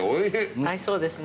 合いそうですね